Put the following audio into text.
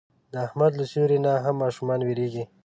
د احمد له سیوري نه هم ماشومان وېرېږي.